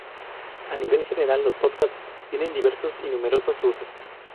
A nivel general, los "podcasts" tienen diversos y numerosos usos.